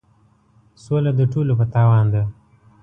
سوله د ټولو په تاوان ده.